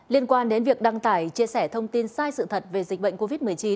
liên quan đến việc đăng tải chia sẻ thông tin sai sự thật về dịch bệnh covid một mươi chín